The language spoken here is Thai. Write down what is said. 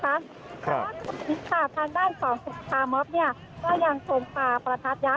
คุณพิษภาพทางด้านของศูนย์ธรรมศ์เนี่ยก็ยังทรงฝ่าประทับยักษ์